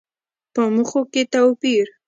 په موخو کې توپير.